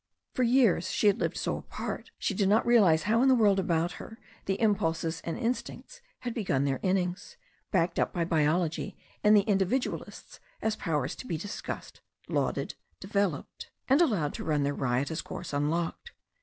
For years she had lived so apart that she did not realize how in the world about her the impulses and instincts had begun their innings, backed up by biology and the Indivi dualists, as powers to be discussed, lauded, developed, and allowed to run their riotous course unchecked.